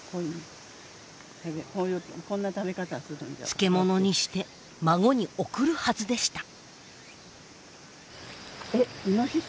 漬物にして孫に送るはずでした。